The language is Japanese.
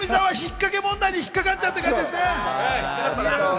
ヒロミさんは引っかけ問題に引っかかっちゃった感じですね。